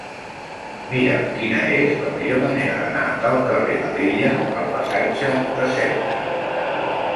Mira'm quina és la millor manera d'anar del carrer d'Alella al passatge de Ceuta.